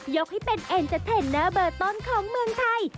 ให้เป็นเอ็นเตอร์เทนเนอร์เบอร์ต้นของเมืองไทย